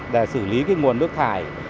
để xử lý nguồn nước thải